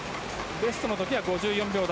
ベストの時は５４秒台。